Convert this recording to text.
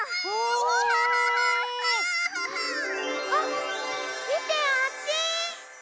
すごい！あっみてあっち！